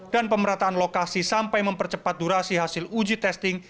dan pemerataan lokasi sampai mempercepat durasi hasil uji testing